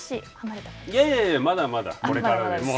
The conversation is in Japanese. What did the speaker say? いやいや、まだまだこれからです。